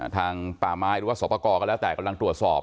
ทางป่าไม้หรือว่าสอบประกอบก็แล้วแต่กำลังตรวจสอบ